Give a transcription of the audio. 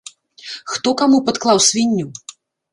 Хто каму падклаў свінню?